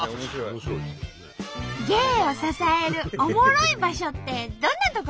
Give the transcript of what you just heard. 芸を支えるおもろい場所ってどんな所？